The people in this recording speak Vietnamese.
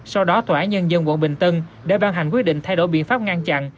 sau đó thỏa nhân dân quận bình tân đã ban hành quyết định thay đổi biện pháp ngăn chặn